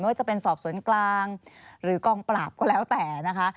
ว่าจะเป็นสอบสวนกลางหรือกองปราบก็แล้วแต่นะคะ